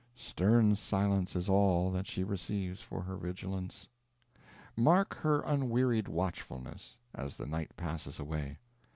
stern silence is all that she receives for her vigilance. Mark her unwearied watchfulness, as the night passes away.